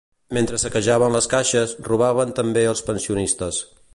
Mentre saquejaven les caixes, robaven també els pensionistes.